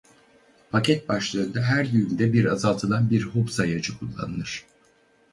Paket başlığında her düğümde bir azaltılan bir hop sayacı kullanılır.